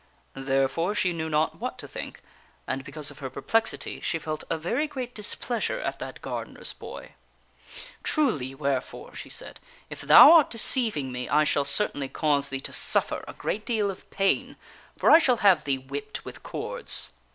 Therefore she knew not what to think, and, because of her perplexity, she felt a very great displeasure at that gardener's boy. " Truly, wherefore," she said, " if thou art deceiving me, I shall certainly cause thee to suffer a great deal of pain, for I shall have thee whipped with cords."